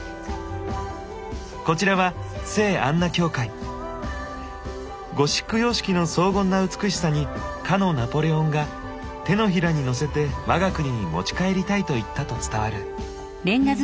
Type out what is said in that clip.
こちらはゴシック様式の荘厳な美しさにかのナポレオンが「手のひらにのせてわが国に持ち帰りたい」と言ったと伝わる。